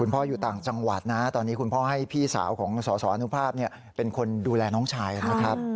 พ่ออยู่ต่างจังหวัดนะตอนนี้คุณพ่อให้พี่สาวของสสอนุภาพเป็นคนดูแลน้องชายนะครับ